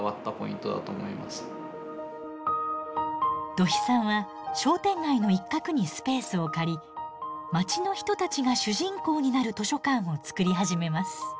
土肥さんは商店街の一角にスペースを借り街の人たちが主人公になる図書館を作り始めます。